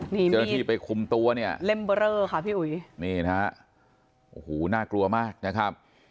นี่มีที่ไปคุมตัวเนี้ยค่ะพี่อุ๋ยนี่นะฮะโอ้โหน่ากลัวมากนะครับ